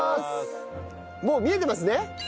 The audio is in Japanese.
もう見えてますね。